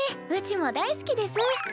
うちも大好きです。